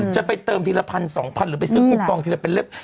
จะไปเติมทีละพันสองพันหรือไปซื้อคูปองทีละเป็นเล็บ